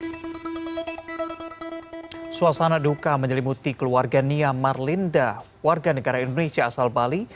hai suasana duka menyelimuti keluarga nia marlinda warga negara indonesia asal bali